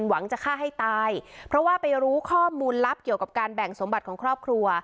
หวังจะฆ่าให้ตายเพราะว่าไปรู้ข้อมูลลับเกี่ยวกับการแบ่งสมบัติของครอบครัว